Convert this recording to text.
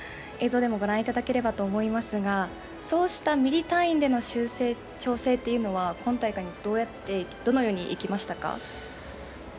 映像でもご覧いただければと思いますが、そうしたミリ単位での修正、調整っていうのは、今大会にどのようにいきましたか？